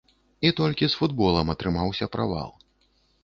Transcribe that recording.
І толькі з футболам атрымаўся правал.